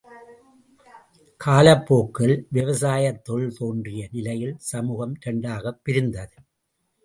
காலப்போக்கில் விவசாயத் தொழில் தோன்றிய நிலையில் சமூகம் இரண்டாகப் பிரிந்தது.